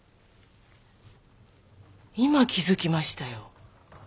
今気づきましたよ。